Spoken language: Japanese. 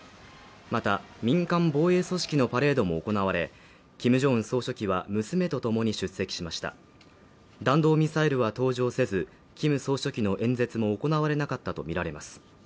また民間防衛組織のパレードも行われキム・ジョンウン総書記は娘と共に出席しました弾道ミサイルは登場せずキム総書記の演説も行われなかったと見られます